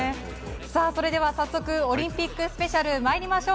それでは早速オリンピックスペシャル参りましょう。